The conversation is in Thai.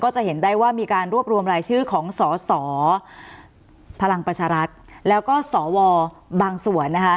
จะเห็นได้ว่ามีการรวบรวมรายชื่อของสสพลังประชารัฐแล้วก็สวบางส่วนนะคะ